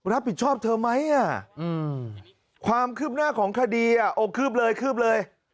รับผิดชอบเธอไหมความคืบหน้าของคดีโอ้คืบเลยคืบเลย